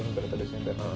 november atau desember